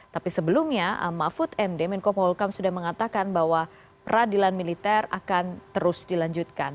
tapi sebelumnya mahfud md menko polhukam sudah mengatakan bahwa peradilan militer akan terus dilanjutkan